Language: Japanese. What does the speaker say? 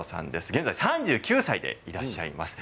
現在３９歳でいらっしゃいます。